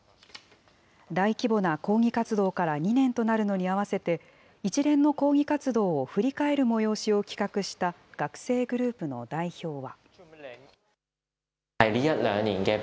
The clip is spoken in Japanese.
大規模な抗議活動から２年となるのに合わせて、一連の抗議活動を振り返る催しを企画した学生グループの代表は。